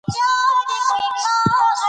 ادبي څېړنې د نوي کهول لپاره ډېرې ګټورې دي.